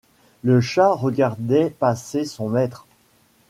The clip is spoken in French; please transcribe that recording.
Le chat regardait passer son maître